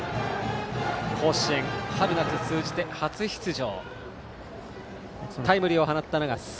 甲子園春夏通じて初出場。